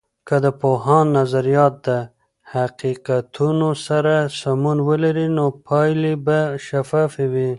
که د پوهاند نظریات د حقیقتونو سره سمون ولري، نو پایلې به شفافې وي.